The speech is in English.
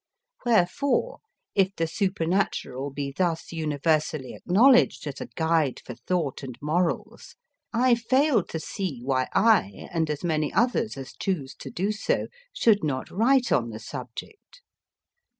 Wherefore, if the supernatural be thus universally acknowledged as a guide for thought and morals, I fail to see why I, and as many others as choose to do so, should not write on the subject.